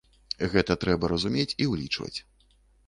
Гэта трэба разумець і ўлічваць.